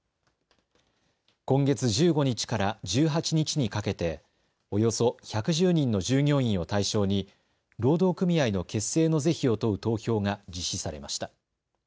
今月１５日から１８日にかけておよそ１１０人の従業員を対象に労働組合の結成の是非を問う投票が実施されました。